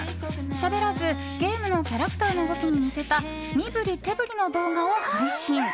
しゃべらずゲームのキャラクターの動きに似せた身振り手振りの動画を配信。